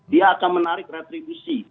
dia akan menarik retribusi